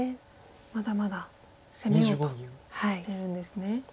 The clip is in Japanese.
まだまだ攻めようとしてるんですね。